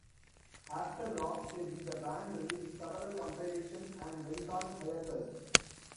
After "Rock Steady", the band released several compilations and went on hiatus.